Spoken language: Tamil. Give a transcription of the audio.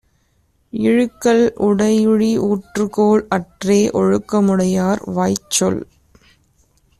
இழுக்கல் உடையுழி ஊற்றுக்கோல் அற்றே ஒழுக்கமுடையார் வாய்ச்சொல்.